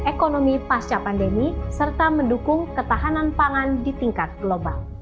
ekonomi pasca pandemi serta mendukung ketahanan pangan di tingkat global